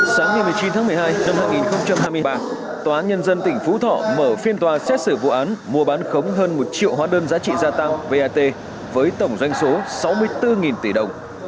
sáng ngày một mươi chín tháng một mươi hai năm hai nghìn hai mươi ba tòa nhân dân tỉnh phú thọ mở phiên tòa xét xử vụ án mua bán khống hơn một triệu hóa đơn giá trị gia tăng vat với tổng doanh số sáu mươi bốn tỷ đồng